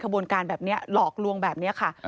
บนการแบบนี้หลอกลวงแบบนี้ค่ะ